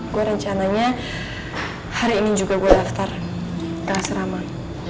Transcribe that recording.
gue rencananya hari ini juga gue daftar ke asrama